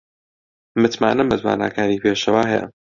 متمانەم بە تواناکانی پێشەوا هەیە.